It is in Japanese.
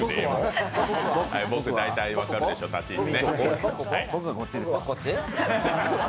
僕、大体分かるでしょう、立ち位置。